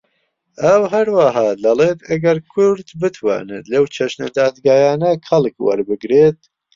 ئەو هەروەها دەڵێت ئەگەر کورد بتوانێت لەو چەشنە دادگایانە کەڵک وەربگرێت